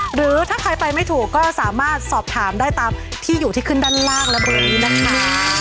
หรือถ้าใครไปไม่ถูกก็สามารถสอบถามได้ตามที่อยู่ที่ขึ้นด้านล่างและเบอร์นี้นะคะ